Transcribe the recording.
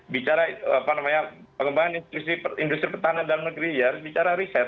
bicara pengembangan industri pertahanan dalam negeri ya harus bicara riset